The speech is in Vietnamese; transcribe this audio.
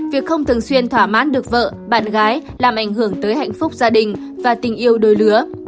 việc không thường xuyên thỏa mãn được vợ bạn gái làm ảnh hưởng tới hạnh phúc gia đình và tình yêu đôi lứa